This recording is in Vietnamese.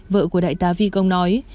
vợ của đại tá phi công nói